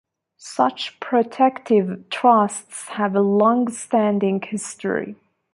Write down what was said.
Such protective trusts have a longstanding history.